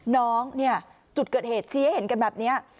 น้องจุดเกิดเหตุที่ให้เห็นกันแบบนี้